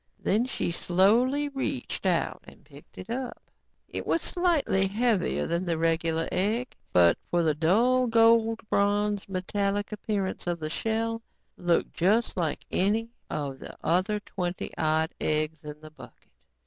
Then she slowly reached out and picked it up. It was slightly heavier than a regular egg, but for the dull, gold bronze metallic appearance of the shell, looked just like any of the other twenty odd eggs in the bucket.